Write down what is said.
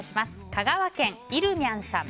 香川県の方。